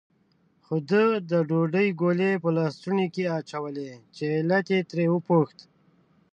خو ده د ډوډۍ ګولې په لستوڼي کې اچولې، چې علت یې ترې وپوښت.